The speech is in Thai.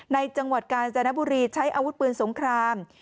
จังหวัดกาญจนบุรีใช้อาวุธปืนสงคราม